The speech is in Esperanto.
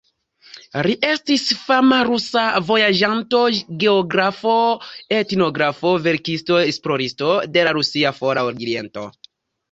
Li estis fama rusa vojaĝanto, geografo, etnografo, verkisto, esploristo de la rusia Fora Oriento.